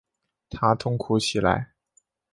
他痛哭起来